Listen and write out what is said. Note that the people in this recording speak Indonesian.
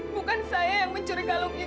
bukan saya yang mencuri galung itu